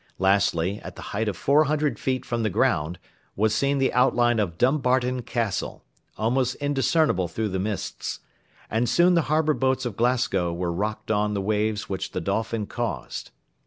Lastly, at the height of four hundred feet from the ground, was seen the outline of Dumbarton Castle, almost indiscernible through the mists, and soon the harbour boats of Glasgow were rocked on the waves which the Dolphin caused.